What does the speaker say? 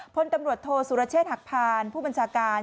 พลตำรวจโทษสุรเชษฐหักพานผู้บัญชาการ